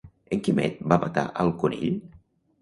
En Quimet va matar al conill?